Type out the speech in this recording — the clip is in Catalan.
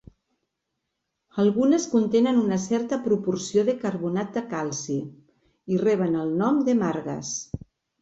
Algunes contenen una certa proporció de carbonat de calci, i reben el nom de margues.